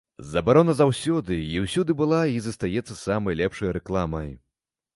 Забарона заўсёды і ўсюды была і застаецца самай лепшай рэкламай.